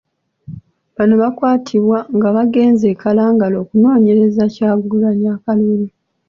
Bano baakwatibwa nga bagenze e Kalangala okunoonyeza Kyagulanyi akalulu.